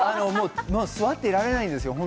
座っていられないですよ。